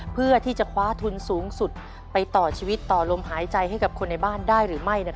เพื่อที่จะคว้าทุนสูงสุดไปต่อชีวิตต่อลมหายใจให้กับคนในบ้านได้หรือไม่